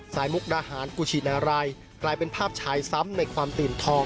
มุกดาหารกุชินารายกลายเป็นภาพชายซ้ำในความตื่นทอง